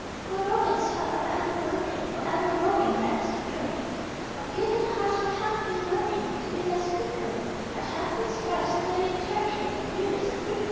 Poor Robin's heart, forever burning, Forever roving, ranting, yearning, From you that heart might have been learning To be less fickle! Might have been spared so many a turning And grievous prickle!